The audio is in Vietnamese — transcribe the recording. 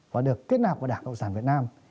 và được kết nạp vào đảng cộng sản việt nam